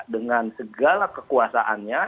dengan segala kekuasaannya